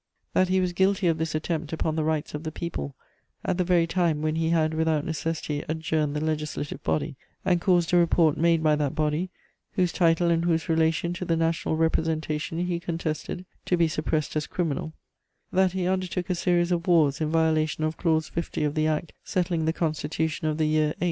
"That he was guilty of this attempt upon the rights of the people at the very time when he had without necessity adjourned the Legislative Body, and caused a report made by that body, whose title and whose relation to the national representation he contested, to be suppressed as criminal; "That he undertook a series of wars in violation of Clause 50 of the Act settling the Constitution of the Year VIII.